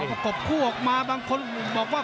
ขบทุกออกมาบางคนบอกว่า